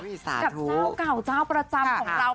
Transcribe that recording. เจ้าเก่าเจ้าประจำของเรา